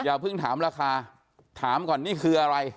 อย่าเพิ่งถามราคาถามก่อนนี่คืออะไร